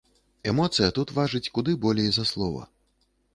Эмоцыя тут важыць куды болей за слова.